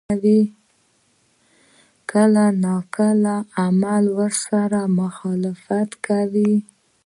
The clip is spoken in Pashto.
کله نا کله عملاً ورسره مخالفت کوي.